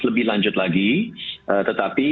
lebih lanjut lagi tetapi